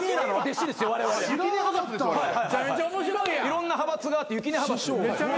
いろんな派閥があってゆき姐派閥。